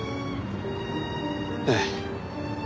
ええ。